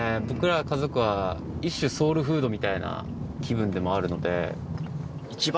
僕ら家族は一種ソウルフードみたいな気分でもあるので。